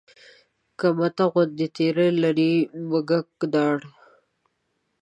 که مته غوندې تېره لري مږک داړه